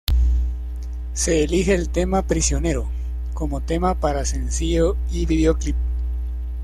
Se elige el tema "Prisionero" como tema para sencillo y videoclip.